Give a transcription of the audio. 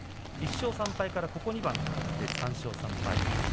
１勝３敗からここ２番勝って３勝３敗。